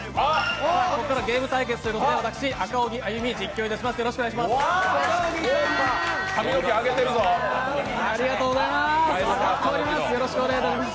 ここからゲーム対決ということで私、赤荻歩、実況致します。